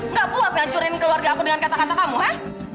nggak puas ngacurin keluarga aku dengan kata kata kamu ya